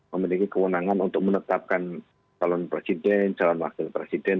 memiliki kewenangan untuk menetapkan calon presiden